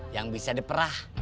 yang bisa diperah